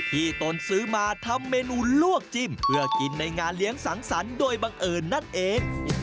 ตนซื้อมาทำเมนูลวกจิ้มเพื่อกินในงานเลี้ยงสังสรรค์โดยบังเอิญนั่นเอง